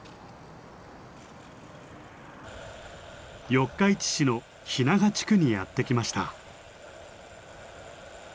四日市市の日永地区にやって来ました。